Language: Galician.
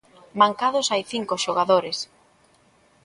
Mancados hai cinco xogadores.